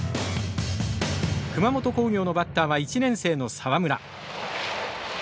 熊本工業のバッターは１年生の沢村。